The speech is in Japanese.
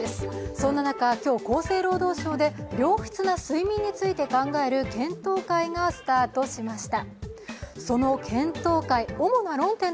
そんな中、今日、厚生労働省で良質な睡眠について考える検討会がスタートしました。